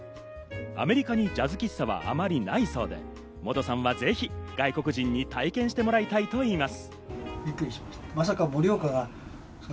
アメリカにジャズ喫茶はあまりないそうで、モドさんはぜひ外国人に体験してもらいたいと言います。